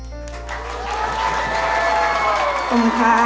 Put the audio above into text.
หยุดทุกลมหายใจ